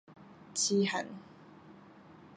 癡漢